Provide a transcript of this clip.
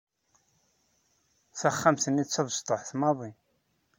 Taxxamt-nni d tabestuḥt maḍi.